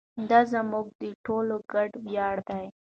دا زموږ د ټولو ګډ ویاړ دی.